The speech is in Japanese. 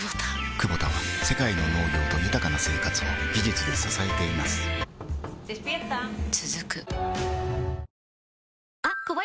クボタは世界の農業と豊かな生活を技術で支えています起きて。